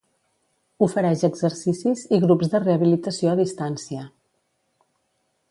Ofereix exercicis i grups de rehabilitació a distància.